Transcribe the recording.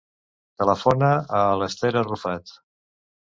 Telefona a l'Esther Arrufat.